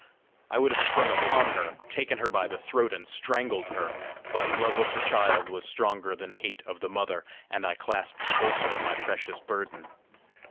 I would have sprung upon her, taken her by the throat, and strangled her, but love of the child was stronger than hate of the mother, and I clasped closer my precious burden.